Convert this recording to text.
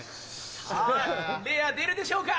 さぁレア出るでしょうか？